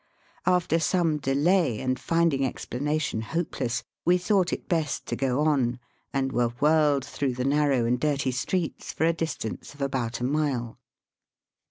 After some delay, and finding explanation hopeless, we thought it best to go on, and were whirled through the narrow and dirty streets for a distance of about a mile.